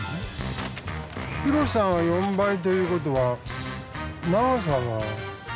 広さが４倍という事は長さは。